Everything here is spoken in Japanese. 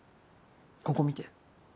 ここ見て。